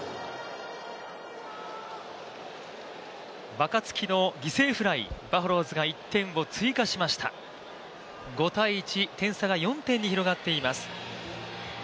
若月の犠牲フライ、バファローズが１点を追加しました５−１、点差が４点に広がっています。